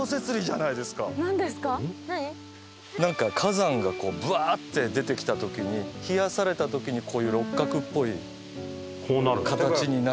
なんか火山がこうブワーって出てきた時に冷やされた時にこういう六角っぽい形になる。